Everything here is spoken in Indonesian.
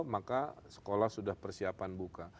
maka sekolah sudah persiapan buka